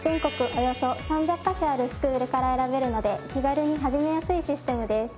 およそ３００カ所あるスクールから選べるので気軽に始めやすいシステムです。